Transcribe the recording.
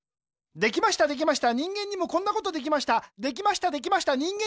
できましたできました人間にもこんなことできました